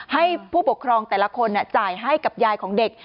ให้ผู้ปกครองแต่ละคนจ่ายให้กับยายของเด็ก